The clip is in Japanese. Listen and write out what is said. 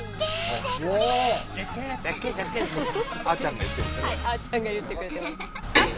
あちゃんが言ってくれてます。